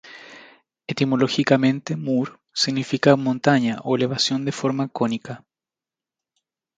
Etimológicamente "Mur" significa montaña o elevación de forma cónica.